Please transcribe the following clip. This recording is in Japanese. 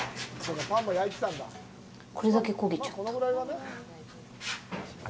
これだけ焦げちゃった。